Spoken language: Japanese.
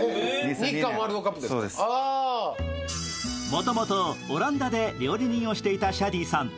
もともとオランダで料理人をしていたシャディさん。